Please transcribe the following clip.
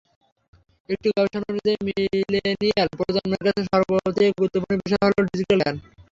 একটি গবেষণা অনুযায়ী, মিলেনিয়াল প্রজন্মের কাছে সবচেয়ে গুরুত্বপূর্ণ বিষয় হলো ডিজিটাল জ্ঞান।